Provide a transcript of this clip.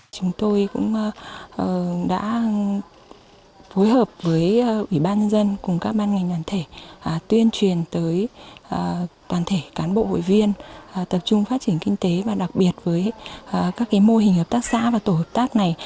chúng tôi cũng đã phối hợp với ủy ban nhân dân cùng các ban ngành đoàn thể tuyên truyền tới toàn thể cán bộ hội viên tập trung phát triển kinh tế và đặc biệt với các mô hình hợp tác xã và tổ hợp tác này